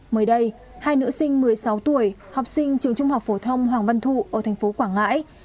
mới đây hai nữ sinh một mươi sáu tuổi học sinh trường trung học phổ thông hoàng văn thụ ở thành phố quảng ngãi